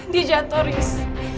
dia jatuh ris